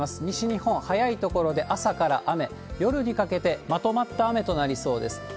西日本、早い所で朝から雨、夜にかけて、まとまった雨となりそうです。